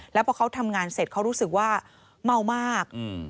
แล้วพอเขาทำงานเสร็จเขารู้สึกว่าเมามาก